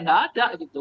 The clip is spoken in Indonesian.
gak ada gitu